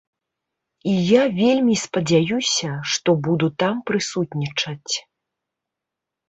І я вельмі спадзяюся, што буду там прысутнічаць.